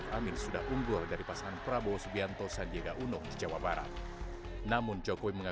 tetapi melihat militansi pada siang hari ini saya yakin dua ribu sembilan belas jawa barat kita akan menang